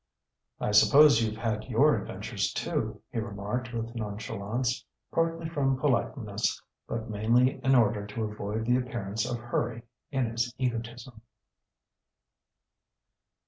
"I suppose you've had your adventures too," he remarked with nonchalance, partly from politeness, but mainly in order to avoid the appearance of hurry in his egotism.